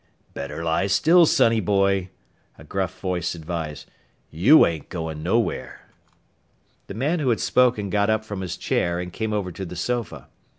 "Better lie still, sonny boy," a gruff voice advised. "You ain't goin' nowhere." The man who had spoken got up from his chair and came over to the sofa.